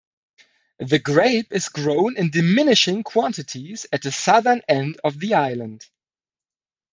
The grape is grown in diminishing quantities at the southern end of the island.